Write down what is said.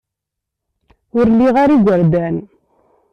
Ur liɣ ara igerdan.